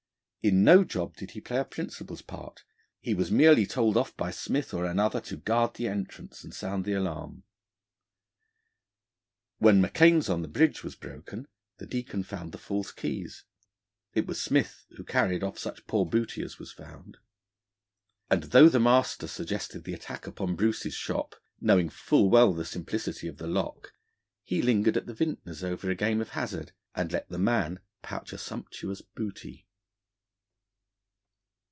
In no job did he play a principal's part: he was merely told off by Smith or another to guard the entrance and sound the alarm. When M'Kain's on the Bridge was broken, the Deacon found the false keys; it was Smith who carried off such poor booty as was found. And though the master suggested the attack upon Bruce's shop, knowing full well the simplicity of the lock, he lingered at the Vintner's over a game of hazard, and let the man pouch a sumptuous booty.